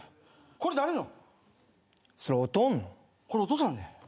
これお父さんね。